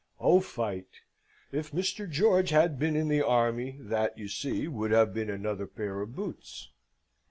Au fait, if Mr. George had been in the army, that, you see, would have been another pair of boots.